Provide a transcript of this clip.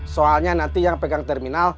soalnya nanti yang pegang terminal